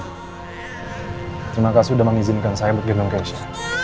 terima kasih sudah mengizinkan saya untuk gendong keisha